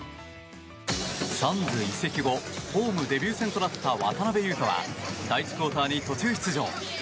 サンズへ移籍後ホームデビュー戦となった渡邊雄太は第１クオーターに途中出場。